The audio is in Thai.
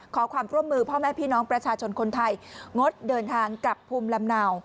ขอความร่วมมือพ่อแม่พี่น้องประชาชนคนไทยงดเดินทางกลับภูมิลำเนา